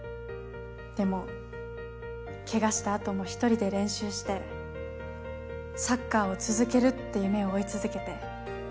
でもケガした後も１人で練習してサッカーを続けるって夢を追い続けて。